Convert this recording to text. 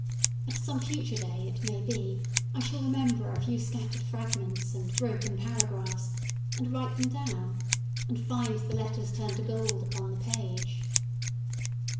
At some future day, it may be, I shall remember a few scattered fragments and broken paragraphs, and write them down, and find the letters turn to gold upon the page.